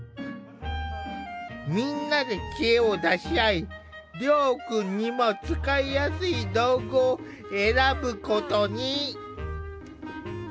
みんなで知恵を出し合い遼くんにも使いやすい道具を選ぶことに。